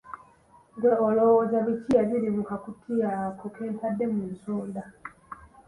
Ggwe olowooza biki ebiri mu kakutiya ako ke ntadde mu nsonda?